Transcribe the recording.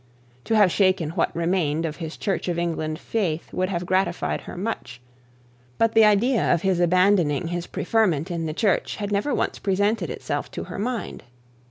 To have shaken what remained of his Church of England faith would have gratified her much; but the idea of his abandoning his preferment in the church had never once presented itself to her mind.